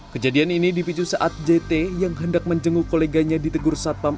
kejadian ini dipicu saat jt yang hendak menjenguk koleganya ditegur satpam